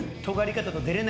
とがり方。